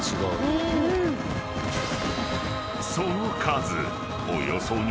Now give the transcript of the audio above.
［その数］